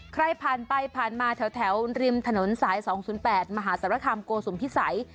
ใครผ่านไปผ่านมาแถวริมถนนสาย๒๐๘มหาสารคามโกสุมพิสัย